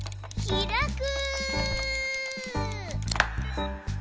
ひらく。